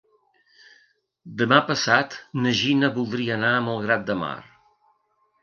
Demà passat na Gina voldria anar a Malgrat de Mar.